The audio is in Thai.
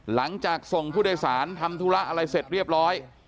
หลังจากส่งผู้โดยสารทำธุระอะไรเสร็จเรียบร้อย